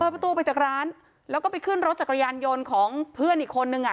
ประตูไปจากร้านแล้วก็ไปขึ้นรถจักรยานยนต์ของเพื่อนอีกคนนึงอ่ะ